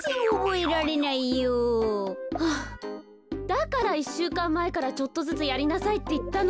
だから１しゅうかんまえからちょっとずつやりなさいっていったのに。